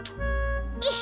gak terbang sih